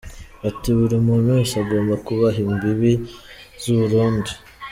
Ati "Buri muntu wese agomba kubaha imbibi z’u Burundi.